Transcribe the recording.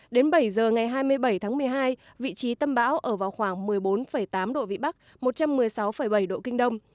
đến bảy giờ ngày hai mươi bảy tháng một mươi hai vị trí tâm bão ở vào khoảng một mươi bốn tám độ vĩ bắc một trăm một mươi sáu bảy độ kinh đông